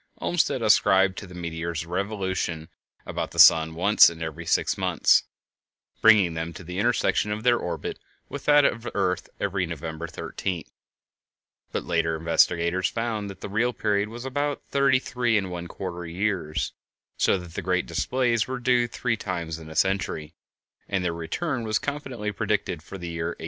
Olmsted ascribed to the meteors a revolution about the sun once in every six months, bringing them to the intersection of their orbit with that of the earth every November 13th; but later investigators found that the real period was about thirty three and one quarter years, so that the great displays were due three times in a century, and their return was confidently predicted for the year 1866.